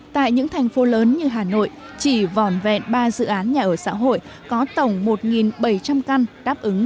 tại những thành phố lớn như hà nội chỉ vòn vẹn ba dự án nhà ở xã hội có tổng một bảy trăm linh căn đáp ứng